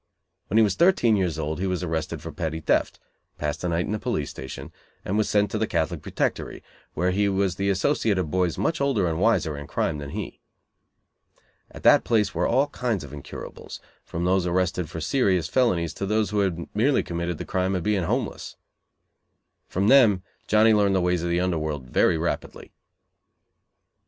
When he was thirteen years old he was arrested for petty theft, passed a night in the police station, and was sent to the Catholic Protectory, where he was the associate of boys much older and "wiser" in crime than he. At that place were all kinds of incurables, from those arrested for serious felonies to those who had merely committed the crime of being homeless. From them Johnny learned the ways of the under world very rapidly.